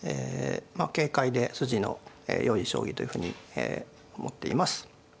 まあ軽快で筋のよい将棋というふうに思っています。